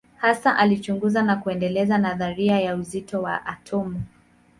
Hasa alichunguza na kuendeleza nadharia ya uzito wa atomu.